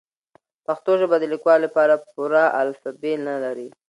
پښتو ژبه د لیکلو لپاره پوره الفبې نلري.